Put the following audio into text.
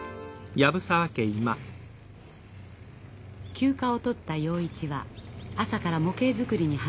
休暇を取った洋一は朝から模型作りに励んでいました。